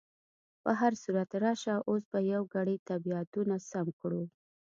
په هر صورت، راشه اوس به یو ګړی طبیعتونه سم کړو.